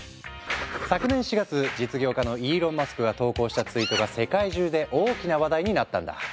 昨年４月実業家のイーロン・マスクが投稿したツイートが世界中で大きな話題になったんだ。